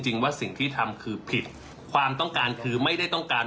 จริงว่าสิ่งที่ทำคือผิดความต้องการคือไม่ได้ต้องการ